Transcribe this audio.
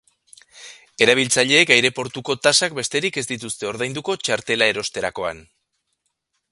Erabiltzaileek aireportuko tasak besterik ez dituzte ordainduko txartela erosterakoan.